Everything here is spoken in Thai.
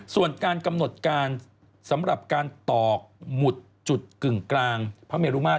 ส่วนการกำหนดการสำหรับการตอกหมุดจุดกึ่งกลางพระเมรุมาตร